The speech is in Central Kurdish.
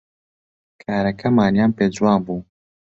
کارەکەمانیان پێ جوان بوو